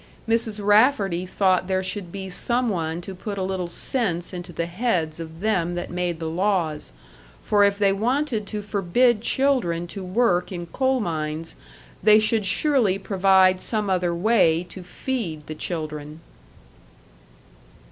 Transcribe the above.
Mrs. Rafferty thought there should be some one to put a little sense into the heads of them that made the laws for if they wanted to forbid children to work in coal mines, they should surely provide some other way to feed the children.